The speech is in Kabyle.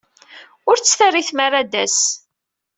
Ur tt-terri tmara ad d-tas.